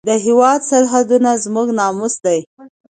د هېواد سرحدونه زموږ ناموس دی.